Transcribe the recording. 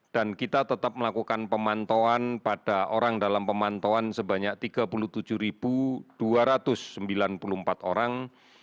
dan kita tetap melakukan pemantauan pada orang dalam pemantauan sebanyak tiga puluh tujuh dua ratus sembilan puluh empat orang